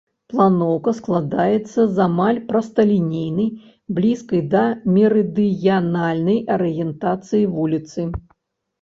Планоўка складаецца з амаль прасталінейнай, блізкай да мерыдыянальнай арыентацыі вуліцы.